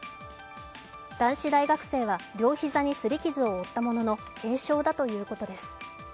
男子大学生は両膝に擦り傷を負ったものの、軽傷だということです。